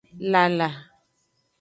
Lala.